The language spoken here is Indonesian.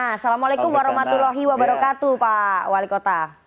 assalamualaikum warahmatullahi wabarakatuh pak wali kota